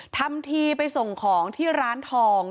ทำทีไปส่งของที่ร้านทอง